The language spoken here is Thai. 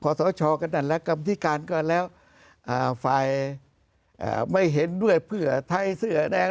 พอสรชอกันดังแล้วกรรมที่การก็แล้วอ่าฝ่ายอ่าไม่เห็นด้วยเพื่อไทยเสื้อแดง